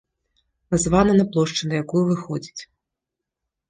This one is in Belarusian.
Названа па плошчы, на якую выходзіць.